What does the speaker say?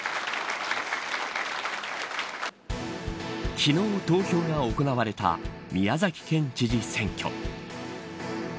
昨日、投票が行われた宮崎県知事選挙。